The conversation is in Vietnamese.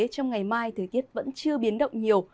trong ngày mai thời tiết vẫn chưa biến động nhiều